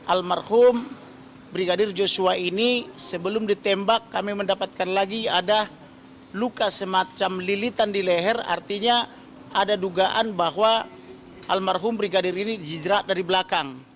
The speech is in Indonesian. almarhum brigadir joshua ini sebelum ditembak kami mendapatkan lagi ada luka semacam lilitan di leher artinya ada dugaan bahwa almarhum brigadir ini jijrat dari belakang